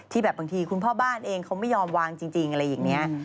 แบบบางทีคุณพ่อบ้านเองเขาไม่ยอมวางจริงอะไรอย่างนี้